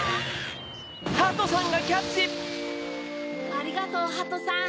ありがとうハトさん。